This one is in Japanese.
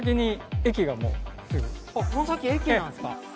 駅なんすか？